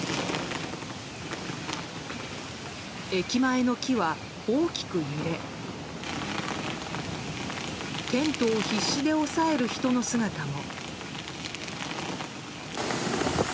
駅前の木は大きく揺れテントを必死で押さえる人の姿も。